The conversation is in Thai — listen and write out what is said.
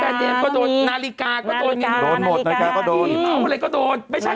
นาฬิกาก็โดน